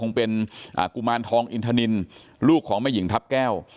คงเป็นกุมารทองอินทนินลูกของแม่หญิงทัพแก้ว